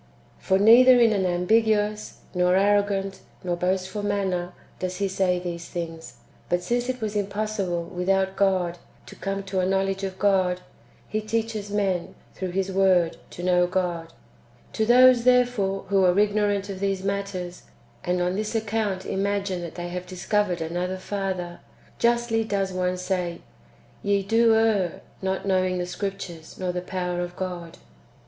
"^ For neither in an ambiguous, nor arrogant, nor boastful manner, does He say these things ; but since it was impossible, without God, to come to a knowledge of God, He teaches men, through His Word, to know God. To those, therefore, who are ignorant of these matters, and on this account imagine that they have discovered another Father, justly does one say, " Ye do err, not knowing the Scriptures, nor the power of God."